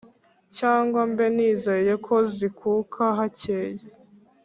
Cyangwa mbe nizeye Ko zikuka hakeye?